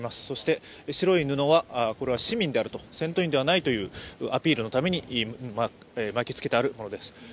そして白い布は市民である、戦闘員ではないというアピールのために巻きつけてあるものです。